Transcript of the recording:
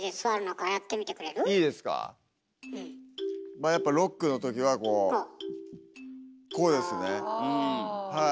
まあやっぱロックの時はこうこうですねはい。